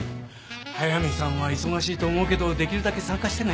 速見さんは忙しいと思うけどできるだけ参加してね。